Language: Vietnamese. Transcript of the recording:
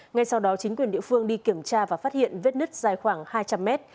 ngay sau đó chính quyền địa phương đi kiểm tra và phát hiện vết nứt dài khoảng hai trăm linh mét